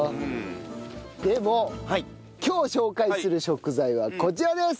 でも今日紹介する食材はこちらです！